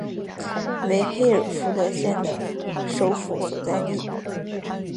为黑尔福德县的首府所在地。